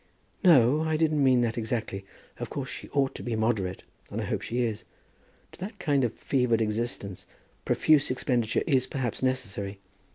"No; I didn't mean that exactly. Of course she ought to be moderate, and I hope she is. To that kind of fevered existence profuse expenditure is perhaps necessary.